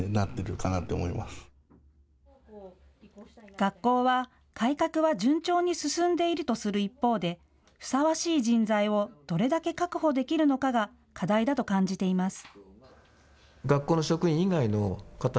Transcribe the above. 学校は、改革は順調に進んでいるとする一方でふさわしい人材をどれだけ確保できるのかが課題だと感じています。